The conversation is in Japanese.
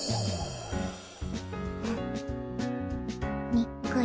にっこぃ。